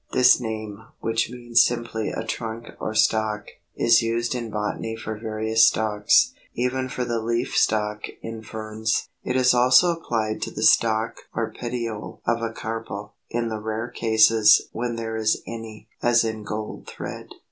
This name, which means simply a trunk or stalk, is used in botany for various stalks, even for the leaf stalk in Ferns. It is also applied to the stalk or petiole of a carpel, in the rare cases when there is any, as in Goldthread.